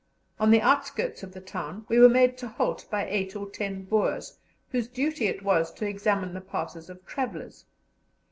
On the outskirts of the town we were made to halt by eight or ten Boers whose duty it was to examine the passes of travellers.